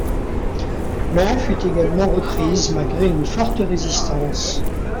Laon fut également reprise malgré une forte résistance.